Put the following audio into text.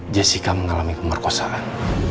jessica mengalami kemerkosaan